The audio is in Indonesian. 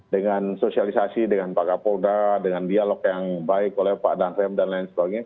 dengan sosialisasi dengan pak kapolda dengan dialog yang baik oleh pak danrem dan lain sebagainya